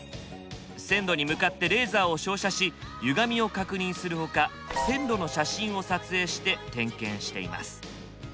線路に向かってレーザーを照射しゆがみを確認する他線路の写真を撮影して点検しています。